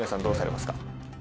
どうされますか？